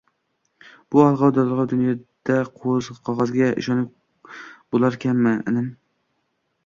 – Bu alg‘ov-dalg‘ov dunyoda qog‘ozga ishonib bo‘larkanmi, inim?